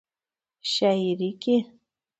شاعرۍ کې